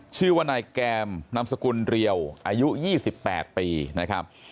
ชื่อวนายแกรมนามสกุลร์เรียวอายุยี่สิบแปดปีนะครับ